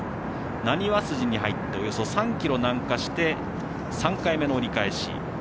なにわ筋に入っておよそ３ｋｍ南下して３回目の折り返し。